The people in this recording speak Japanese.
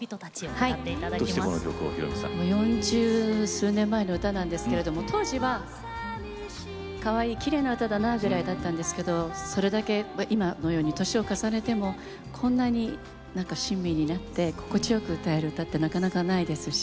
四十数年前の歌なんですけれども当時はかわいいきれいな歌だなぐらいだったんですけどそれだけ今のように年を重ねてもこんなに親身になって心地よく歌える歌ってなかなかないですし。